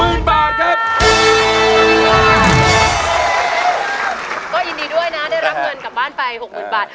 ก็ยินดีด้วยนะได้รับเงินกลับบ้านไป๖๐๐๐บาท